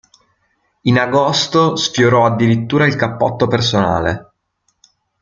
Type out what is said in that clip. In agosto sfiorò addirittura il "cappotto" personale.